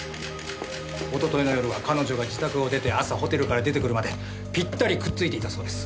一昨日の夜は彼女が自宅を出て朝ホテルから出て来るまでピッタリくっついていたそうです。